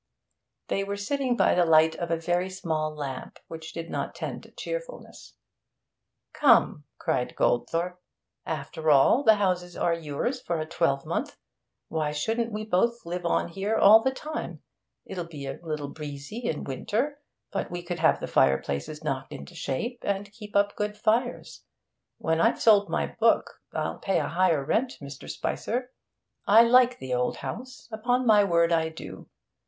They were sitting by the light of a very small lamp, which did not tend to cheerfulness. 'Come,' cried Goldthorpe, 'after all, the houses are yours for a twelvemonth. Why shouldn't we both live on here all the time? It'll be a little breezy in winter, but we could have the fireplaces knocked into shape, and keep up good fires. When I've sold my book I'll pay a higher rent, Mr. Spicer. I like the old house, upon my word I do!